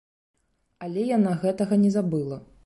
Але яна гэтага не забыла.